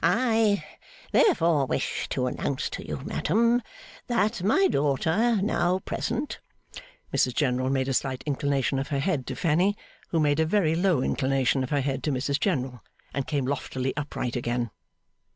' I therefore wish to announce to you, madam, that my daughter now present ' Mrs General made a slight inclination of her head to Fanny, who made a very low inclination of her head to Mrs General, and came loftily upright again.